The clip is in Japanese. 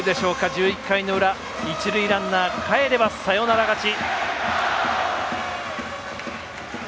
１１回の裏、一塁ランナーかえればサヨナラ勝ち。